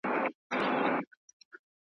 شنې کروندې ښکلي منظرې جوړوي.